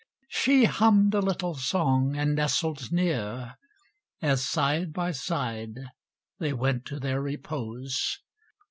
She hummed a little song and nestled near, As side by side they went to their repose.